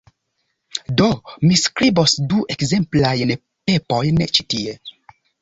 Do, mi skribos du ekzemplajn pepojn ĉi tie